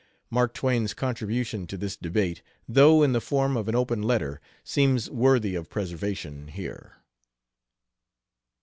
Mark Twain's contribution to this debate, though in the form of an open letter, seems worthy of preservation here.